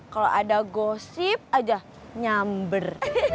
kalau ada gosip aja nyamber